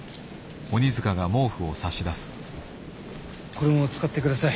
これも使ってください。